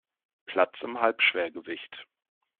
Platz im Halbschwergewicht.